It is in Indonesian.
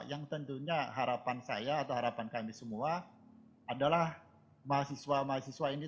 yang tentunya harapan saya atau harapan kami semua adalah mahasiswa mahasiswa ini